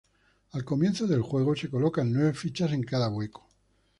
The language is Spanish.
Al comienzo del juego, se colocan nueve fichas en cada hueco.